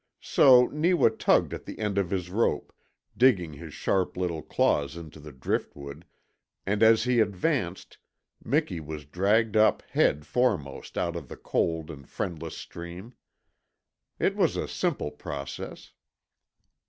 So Neewa tugged at the end of his rope, digging his sharp little claws into the driftwood, and as he advanced Miki was dragged up head foremost out of the cold and friendless stream. It was a simple process.